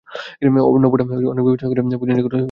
অন্নপূর্ণা অনেক বিবেচনা করিয়া বোনঝির নিকট হইতে দূরেই থাকিতেন।